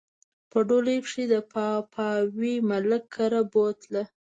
په ډولۍ کښې د پاپاوي ملک کره بوتله